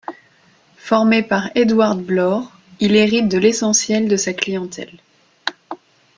Formé par Edward Blore, il hérite de l'essentiel de sa clientèle.